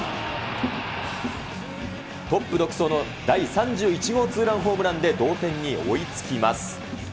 トップ独走の第３１号ツーランホームランで同点に追いつきます。